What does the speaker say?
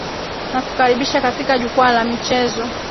nakukaribisha katika jukwaa la michezo